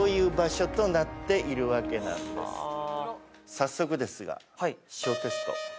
早速ですが。